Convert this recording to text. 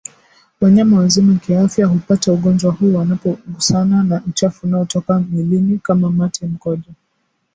Wanyama wazima kiafya hupata ugonjwa huu wanapogusana na uchafu unaotoka mwilini kama mate mkojo